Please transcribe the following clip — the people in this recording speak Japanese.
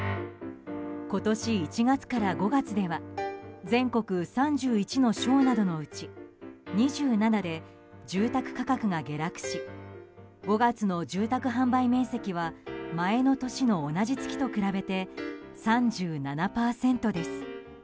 今年１月から５月では全国３１の省などのうち２７で住宅価格が下落し５月の住宅販売面積は前の年の同じ月と比べて３７％です。